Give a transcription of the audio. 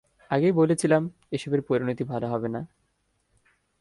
আগেই বলেছিলাম, এসবের পরিণতি ভালো হবে না।